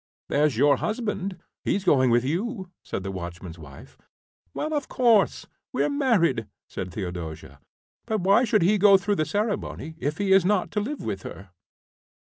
"There's your husband he's going with you," said the watchman's wife. "Well, of course, we're married," said Theodosia. "But why should he go through the ceremony if he is not to live with her?"